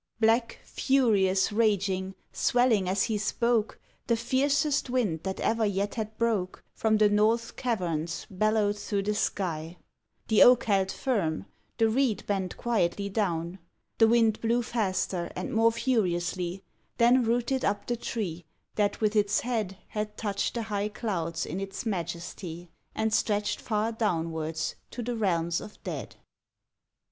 Black, furious, raging, swelling as he spoke, The fiercest wind that ever yet had broke From the North's caverns bellowed through the sky. The Oak held firm, the Reed bent quietly down. The wind blew faster, and more furiously, Then rooted up the tree that with its head Had touched the high clouds in its majesty, And stretched far downwards to the realms of dead.